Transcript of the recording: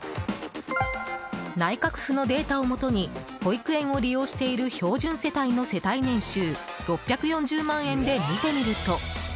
内閣府のデータをもとに保育園を利用している標準世帯の世帯年収６４０万円で見てみると。